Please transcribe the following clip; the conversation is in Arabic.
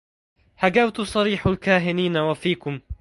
هجوت صريح الكاهنين وفيكم